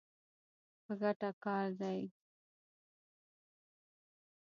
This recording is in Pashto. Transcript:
په ګټه کار دی.